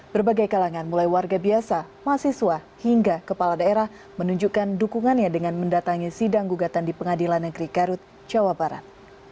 berbagai kalangan mulai warga biasa mahasiswa hingga kepala daerah menunjukkan dukungannya dengan mendatangi sidang gugatan di pengadilan negeri garut jawa barat